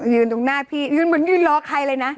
ตรงหน้าพี่ยืนเหมือนยืนรอใครเลยนะ